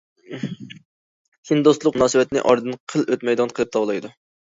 چىن دوستلۇق مۇناسىۋەتنى ئارىدىن قىل ئۆتمەيدىغان قىلىپ تاۋلايدۇ.